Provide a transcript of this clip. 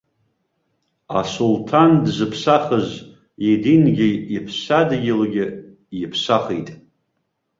Асулҭан дзыԥсахыз, идингьы иԥсадгьылгьы иԥсахит.